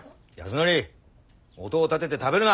音を立てて食べるな。